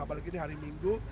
apalagi ini hari minggu